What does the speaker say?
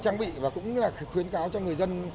trang bị và cũng là khuyến cáo cho người dân